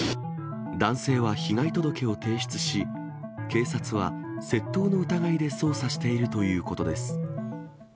男性は被害届を提出し、警察は窃盗の疑いで捜査しているということです。